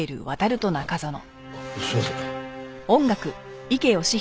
すいません。